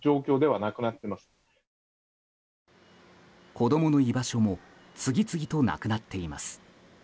子供の居場所も次々となくなっています。